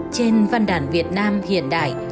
trên văn đàn việt nam hiện đại